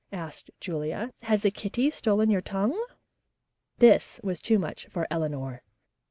asked Julia. "Has the kitty stolen your tongue?" This was too much for Eleanor.